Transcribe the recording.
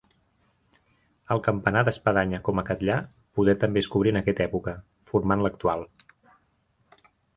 El campanar d'espadanya com a Catllar, poder també es cobrí en aquesta època, formant l'actual.